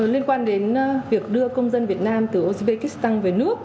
liên quan đến việc đưa công dân việt nam từ ozbekistan về nước